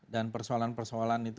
dan persoalan persoalan itu